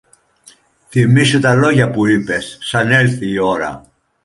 Θυμήσου τα λόγια που είπες, σαν έλθει η ώρα